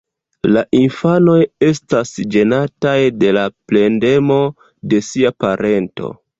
La infanoj estas ĝenataj de la plendemo de sia parento.